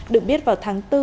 được biết vào tháng bốn